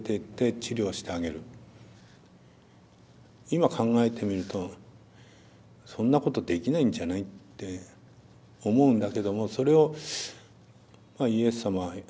今考えてみるとそんなことできないんじゃない？って思うんだけどもそれをイエス様はやりなさいと。